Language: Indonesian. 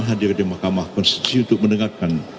hadir di mahkamah konstitusi untuk mendengarkan